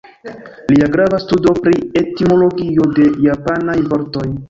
Lia grava studo pri etimologio de japanaj vortoj.